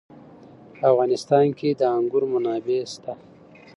په افغانستان کې د انګور منابع شته.